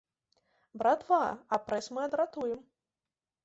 Братва, а прэс мы адратуем!